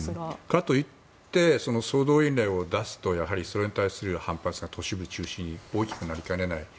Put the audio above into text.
かといって総動員令を出すとやはりそれに対する反発が都市部中心に大きくなりかねない。